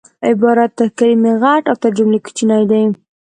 عبارت تر کلیمې غټ او تر جملې کوچنی دئ